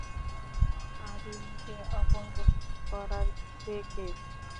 আধিনিকে অপহরণ করার সে কে?